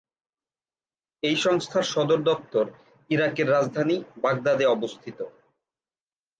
এই সংস্থার সদর দপ্তর ইরাকের রাজধানী বাগদাদে অবস্থিত।